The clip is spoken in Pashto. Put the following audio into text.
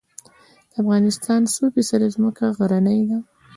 د افغانستان څو فیصده ځمکه غرنۍ ده؟